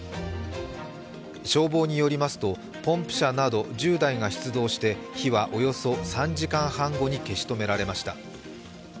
消防によりますとポンプ車など１０台が出動して火はおよそ３時間半後に消し止められました。